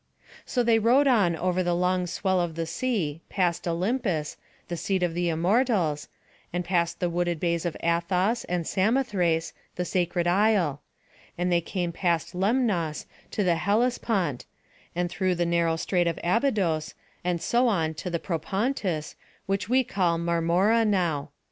So they rowed on over the long swell of the sea, past Olympus, the seat of die immortals, and past the wooded bays of Athos, and Samothrace, the sacred isle; and they came past Lemnos to the Hellespont, and through the narrow strait of Abydos, and so on into the Propontis, which we call Marmora now.